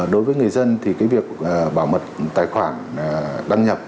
đối với người dân thì cái việc bảo mật tài khoản đăng nhập